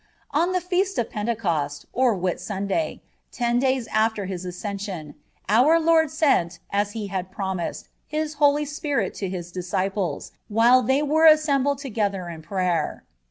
On the Feast of Pentecost, or Whitsunday, ten days after His Ascension, our Savior sent, as He had promised, His Holy Spirit to His disciples, while they were assembled together in prayer.